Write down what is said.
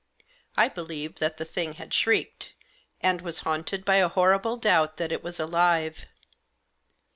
I believed that the thing had shrieked, and was haunted by a horrible doubt that it was alive.